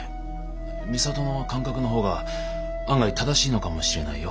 美里の感覚の方が案外正しいのかもしれないよ。